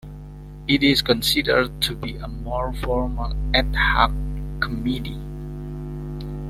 It is considered to be a more formal "ad hoc" committee.